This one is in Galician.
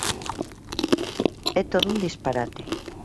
É todo un disparate.